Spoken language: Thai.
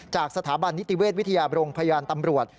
จากสถาบันนิติเวทย์วิทยาบรงก์พยานตำรวจ